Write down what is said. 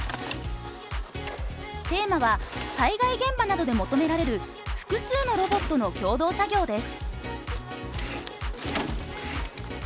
テーマは災害現場などで求められる複数のロボットの共同作業です。